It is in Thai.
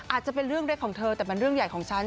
อาจจะเป็นเรื่องเล็กของเธอแต่มันเรื่องใหญ่ของฉัน